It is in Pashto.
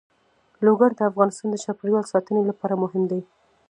لوگر د افغانستان د چاپیریال ساتنې لپاره مهم دي.